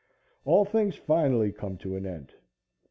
All things finally come to an end.